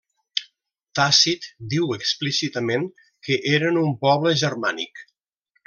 Tàcit diu explícitament que eren un poble germànic.